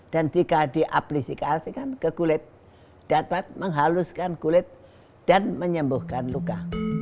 dan jika diaplikasikan ke kulit dapat menghaluskan kulit dan menyembuhkan luka